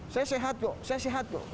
saya sehat kok saya sehat kok